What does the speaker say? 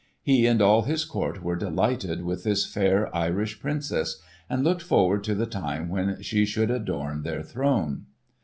He and all his court were delighted with this fair Irish Princess, and looked forward to the time when she should adorn their throne.